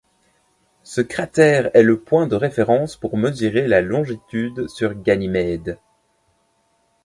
Ce cratère est le point de référence pour mesurer la longitude sur Ganymède.